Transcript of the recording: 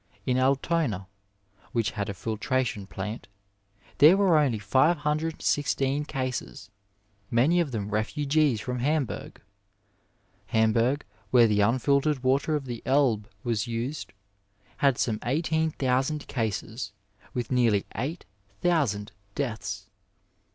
In Altona, which had a filtra tion plant, there were only five hundred and sixteen cases, many of them refugees from Hamburg. Hamburg, where the unfiltered water of the Elbe was used, had some eighteen thousand cases, with nearly eight thousand deaths.